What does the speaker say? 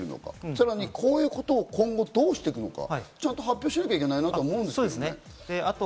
さらに、こういうことを今後どうしていくのか、ちゃんと発表しなきゃいけないと思いますね。